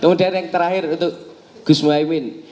kemudian yang terakhir untuk gus muhaymin